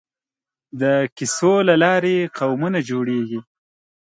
د کیسو له لارې قومونه جوړېږي.